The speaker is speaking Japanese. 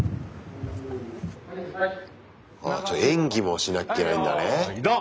じゃあ演技もしなきゃいけないんだね。